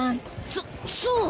そそう？